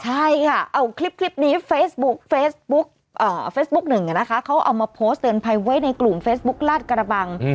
ใช่ค่ะเอาคลิปนี้เฟซบุ๊กหนึ่งนะคะเขาเอามาโพสต์เตือนภัยไว้ในกลุ่มเฟซบุ๊กลาดกระบัง